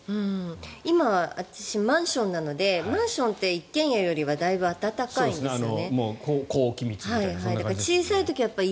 今、私、マンションなのでマンションって一軒家よりはだいぶ暖かいんですよね。